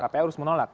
kpu harus menolak